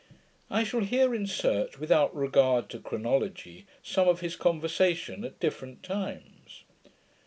I shall here insert, without regard to chronology, some of his conversation at different times.